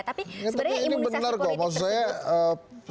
tapi sebenarnya imunisasi politik tersebut